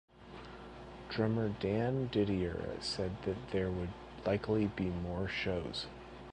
Drummer Dan Didier said that there would likely be more shows.